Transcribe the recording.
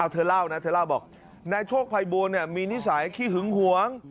เธอเล่านะเธอเล่าบอกนายโชคภัยบูลมีนิสัยขี้หึงหวง